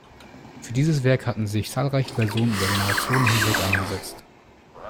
Für dieses Werk hatten sich zahlreiche Personen über Generationen hinweg eingesetzt.